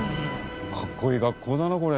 かっこいい学校だなこれ。